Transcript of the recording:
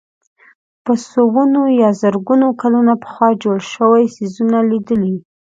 په سوونو یا زرګونو کلونه پخوا جوړ شوي څېزونه لیدلي.